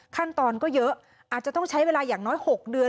ขั้นตอนก็เยอะอาจจะต้องใช้เวลาอย่างน้อย๖เดือน